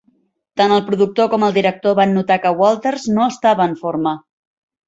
Tan el productor com el director van notar que Walters no estava en forma.